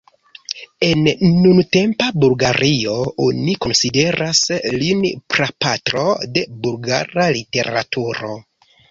En nuntempa Bulgario oni konsideras lin prapatro de bulgara literaturo.